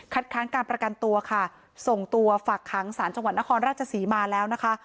ค้างการประกันตัวค่ะส่งตัวฝากค้างศาลจังหวัดนครราชศรีมาแล้วนะคะ